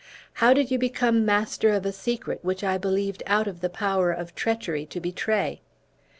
How did you become master of a secret, which I believed out of the power of treachery to betray?"